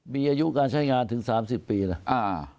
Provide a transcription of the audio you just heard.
มีอายุการใช้งานถึง๓๐ปีนะ